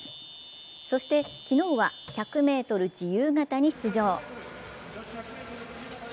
そして、昨日は１００ｍ自由形に出場。